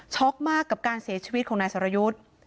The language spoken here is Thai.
มากกับการเสียชีวิตของนายสรยุทธ์